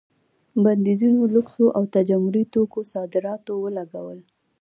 بندیزونو لوکسو او تجملي توکو صادراتو ولګول.